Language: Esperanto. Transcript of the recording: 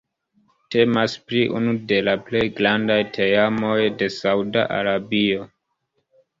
Temas pri unu de la plej grandaj teamoj de Sauda Arabio.